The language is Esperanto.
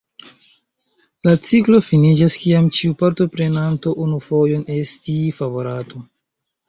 La ciklo finiĝas kiam ĉiu partoprenanto unu fojon estis favorato.